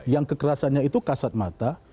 yang kekerasannya itu kasat mata